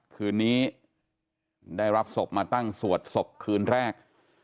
คืนนี้ได้รับศพมาตั้งสวดศพคืนแรก